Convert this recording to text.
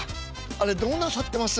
あれどうなさってます？